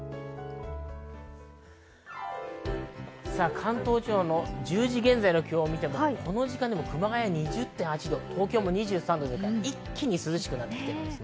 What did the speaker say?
関東地方の１０時現在の気温を見ても、この時間でも熊谷２０．８度、東京も２３度、一気に涼しくなっています。